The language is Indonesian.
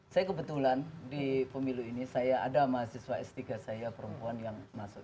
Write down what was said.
saya kebetulan di pemilu ini saya ada mahasiswa s tiga saya perempuan yang masuk